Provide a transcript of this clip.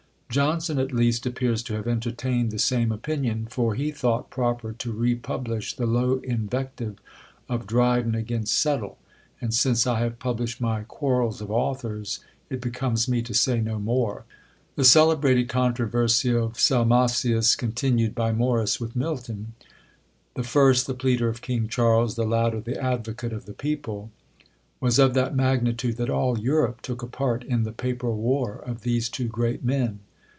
Johnson at least appears to have entertained the same opinion; for he thought proper to republish the low invective of Dryden against Settle; and since I have published my "Quarrels of Authors," it becomes me to say no more. The celebrated controversy of Salmasius, continued by Morus with Milton the first the pleader of King Charles, the latter the advocate of the people was of that magnitude, that all Europe took a part in the paper war of these two great men.